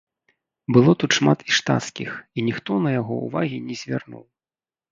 Было тут шмат і штацкіх, і ніхто на яго ўвагі не звярнуў.